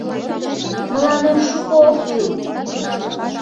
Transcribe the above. — Мыланем шуко ок кӱл.